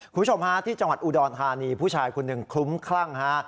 คุณผู้ชมฮะที่จังหวัดอุดรธานีผู้ชายคนหนึ่งคลุ้มคลั่งฮะ